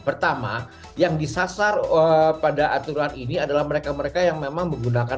pertama yang disasar pada aturan ini adalah mereka mereka yang memang menggunakan